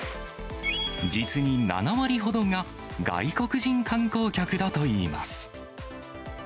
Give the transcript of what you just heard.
実に７割ほどが外国人観光客だといいます。